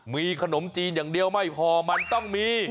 มีขนมจีนอย่างเดียวไม่พอมันต้องมี